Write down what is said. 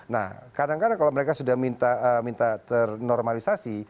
nah kadang kadang kalau mereka sudah minta ternormalisasi